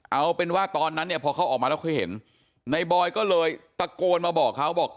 เอาเป็นว่าตอนนั้นเนี่ยพอเขาออกมาแล้วเคยเห็นในบอยก็เลยตะโกนมาบอกเขาบอก